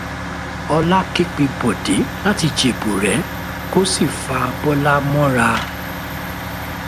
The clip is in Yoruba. Ọlá képe Bọ̀dé láti jèbùrẹ́, kó sì fa Bọ́lá mọ́ra.